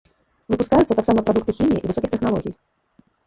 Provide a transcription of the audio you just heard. Выпускаюцца таксама прадукты хіміі і высокіх тэхналогій.